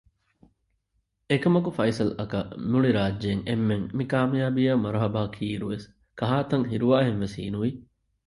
އެކަމަކު ފައިސަލްއަކަށް މުޅިރާއްޖޭ އެންމެން މިކާމިޔާބީއަށް މަރުހަބާ ކީއިރުވެސް ކަހާތަން ހިރުވާހެންވެސް ހީނުވި